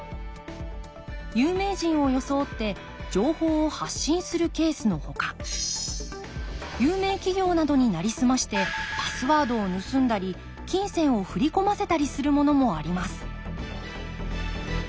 有名人を装って情報を発信するケースのほか有名企業などになりすましてパスワードを盗んだり金銭を振り込ませたりするものもあります